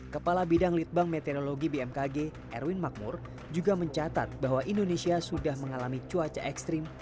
kepala bidang litbang meteorologi bmkg erwin makmur juga mencatat bahwa indonesia sudah mengalami cuaca ekstrim